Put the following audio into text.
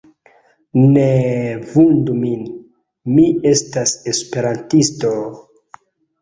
Neeee vundu min, mi estas Esperantisto...